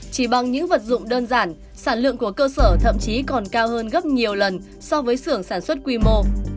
chỉ bằng những vật dụng đơn giản sản lượng của cơ sở thậm chí còn cao hơn gấp nhiều lần so với xưởng sản xuất quy mô